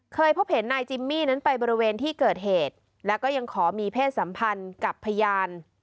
เคยพบเห็นนายจิมมี่นั้นไปบริเวณที่เกิดเหตุแล้วก็ยังขอมีเพศสัมพันธ์กับพยาน